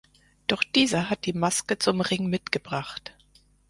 Doch dieser hat die Maske zum Ring mitgebracht.